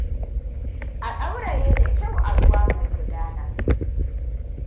A ɗauraye da kyau a ruwa mai gudana.